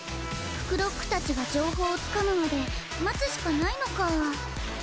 フクロックたちが情報をつかむまで待つしかないのかぁ